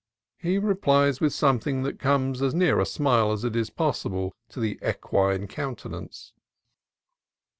he replies with something that comes as near a smile as is possible to the equine counte nance.